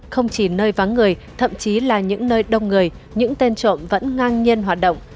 không chỉ nơi vắng người thậm chí là những nơi đông người những tên trộm vẫn ngang nhiên hoạt động